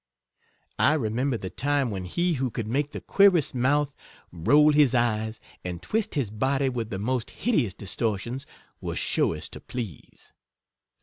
I remember the time when he who could make the queerest mouth, roll his eyes, and twist his body with the most hideous distortions, was surest to please.